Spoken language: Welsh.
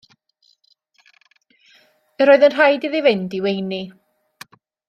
Yr oedd yn rhaid iddi fynd i weini.